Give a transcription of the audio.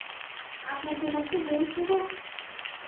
আপনার জন্য একটা ড্রিংক নিবো?